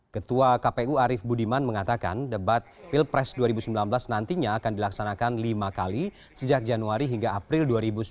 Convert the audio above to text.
ketua kpu arief budiman mengatakan debat pilpres dua ribu sembilan belas nantinya akan dilaksanakan lima kali sejak januari hingga april dua ribu sembilan belas